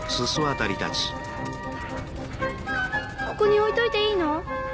ここに置いといていいの？